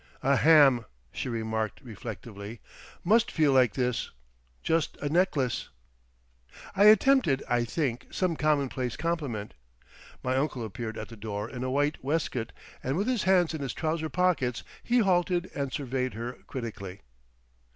"A ham," she remarked reflectively, "must feel like this. Just a necklace."... I attempted, I think, some commonplace compliment. My uncle appeared at the door in a white waistcoat and with his hands in his trouser pockets; he halted and surveyed her critically.